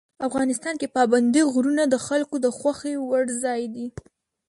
افغانستان کې پابندي غرونه د خلکو د خوښې وړ ځای دی.